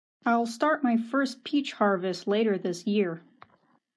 I'll start my first peach harvest later this year.